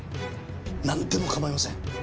なんでも構いません。